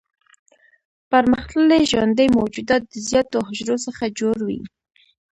پرمختللي ژوندي موجودات د زیاتو حجرو څخه جوړ وي.